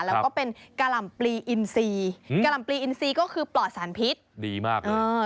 แล้วก็เป็นกะหล่ำปลีอินซีกะหล่ำปลีอินซีก็คือปลอดสารพิษดีมากเลย